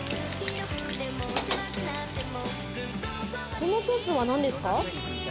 このソースは何ですか？